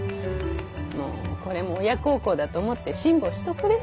まぁこれも親孝行だと思って辛抱しとくれぇ。